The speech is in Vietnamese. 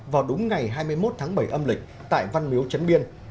vào đúng ngày hai mươi một tháng bảy âm lịch tại văn miếu trấn biên